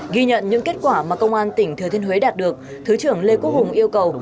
ghi nhận những kết quả mà công an tỉnh thừa thiên huế đạt được thứ trưởng lê quốc hùng yêu cầu